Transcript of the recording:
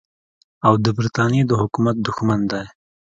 او د برټانیې د حکومت دښمن دی.